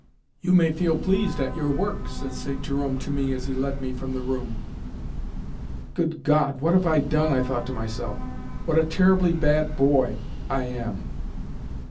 "You may feel pleased at your work," said St. Jerome to me as he led me from the room. "Good God! What have I done?" I thought to myself. "What a terribly bad boy I am!"